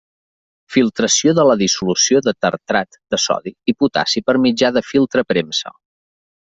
Filtració de la dissolució de tartrat de sodi i potassi per mitjà de filtre premsa.